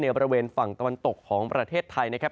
บริเวณฝั่งตะวันตกของประเทศไทยนะครับ